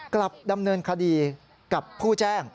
กลับดำเนินคดีกับผู้แจ้ง